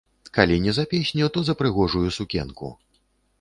Калі не за песню, то за прыгожую сукенку.